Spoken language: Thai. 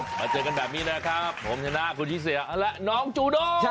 มาเจอกันแบบนี้นะครับผมชนะคุณชิสาและน้องจูโด